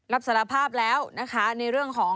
รับสารภาพแล้วนะคะในเรื่องของ